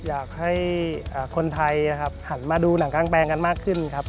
อยากให้คนไทยนะครับหันมาดูหนังกลางแปลงกันมากขึ้นครับ